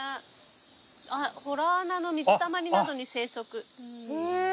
「洞穴の水たまりなどに生息」へえ。